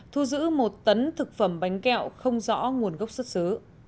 thu giữ một tấn thực phẩm bánh kẹo không rõ nguồn gốc xuất xứ